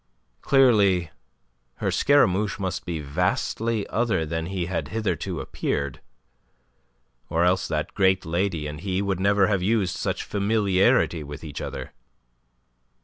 Clearly her Scaramouche must be vastly other than he had hitherto appeared, or else that great lady and he would never have used such familiarity with each other.